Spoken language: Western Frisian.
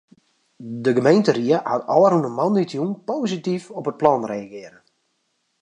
De gemeenteried hat ôfrûne moandeitejûn posityf op it plan reagearre.